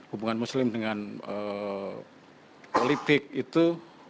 hubungan muslim dengan politik itu